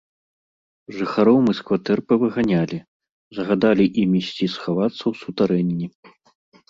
Жыхароў мы з кватэр павыганялі, загадалі ім ісці схавацца ў сутарэнні.